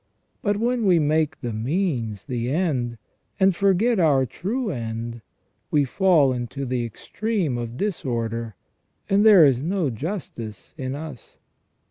But when we make the means the end, and thus forget our true end, we fall into the extreme of disorder, and there is no justice in us.